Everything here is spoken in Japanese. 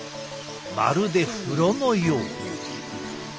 まるで風呂のよう。